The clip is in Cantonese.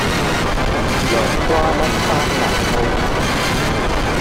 涼瓜炆班腩煲